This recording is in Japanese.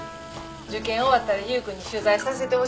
受験終わったら優君に取材させてほしいって言ってたよ。